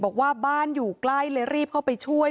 บอกว่าบ้านอยู่ใกล้เลยรีบเข้าไปช่วย